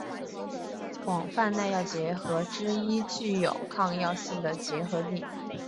广泛耐药结核之一具有抗药性的结核病。